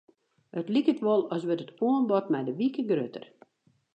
It liket wol as wurdt it oanbod mei de wike grutter.